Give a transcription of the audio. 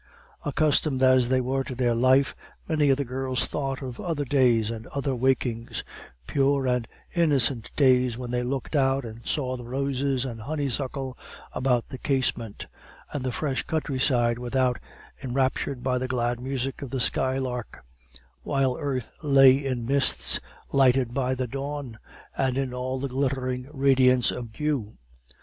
Accustomed as they were to their life, many of the girls thought of other days and other wakings; pure and innocent days when they looked out and saw the roses and honeysuckle about the casement, and the fresh countryside without enraptured by the glad music of the skylark; while earth lay in mists, lighted by the dawn, and in all the glittering radiance of dew.